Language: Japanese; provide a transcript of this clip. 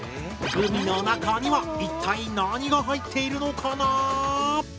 グミの中には一体何が入っているのかな